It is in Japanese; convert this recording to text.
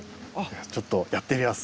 ちょっとやってみます。